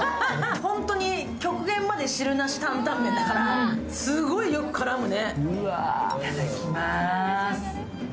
本当に極限まで汁なし坦々麺だから、すごいよく絡むね。